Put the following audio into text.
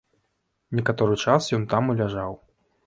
Некаторы час ён там і ляжаў.